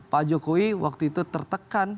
pak jokowi waktu itu tertekan